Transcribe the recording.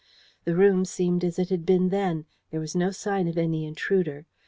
The room seemed as it had been then; there was no sign of any intruder.